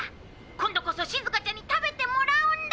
「今度こそしずかちゃんに食べてもらうんだ」